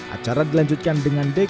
acara dilanjutkan dengan deklarasi